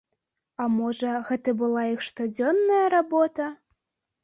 А можа, гэта была іх штодзённая работа?